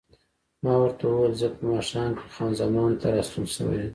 ما ورته وویل: زه په ماښام کې خان زمان ته راستون شوی یم.